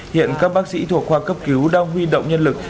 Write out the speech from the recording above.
hiện các bác sĩ thuộc khoa cấp cứu đang huy động nhân lực